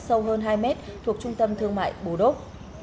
sâu hơn hai m thuộc trung tâm thương mại bù đốt